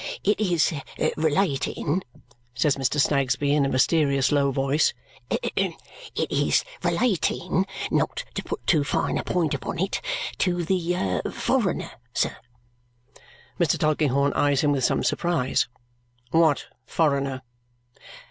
"It is relating," says Mr. Snagsby in a mysterious low voice, "it is relating not to put too fine a point upon it to the foreigner, sir!" Mr. Tulkinghorn eyes him with some surprise. "What foreigner?"